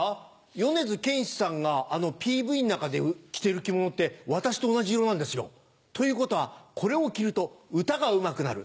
米津玄師さんがＰＶの中で着てる着物って私と同じ色なんですよ。ということはこれを着ると歌がうまくなる。